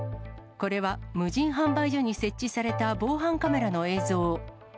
これは無人販売所に設置された防犯カメラの映像。